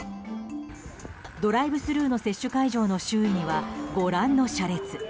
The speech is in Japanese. ドライブスルーの接種会場の周囲にはご覧の車列。